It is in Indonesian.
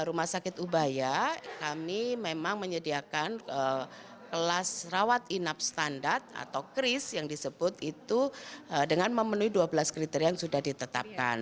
rumah sakit ubaya kami memang menyediakan kelas rawat inap standar atau kris yang disebut itu dengan memenuhi dua belas kriteria yang sudah ditetapkan